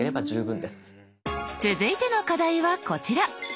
続いての課題はこちら！